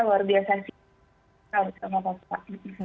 luar biasa sih